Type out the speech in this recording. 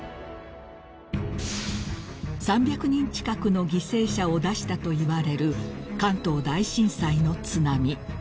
［３００人近くの犠牲者を出したといわれる関東大震災の津波］